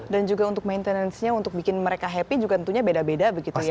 dan juga untuk maintenance nya untuk bikin mereka happy juga tentunya beda beda begitu ya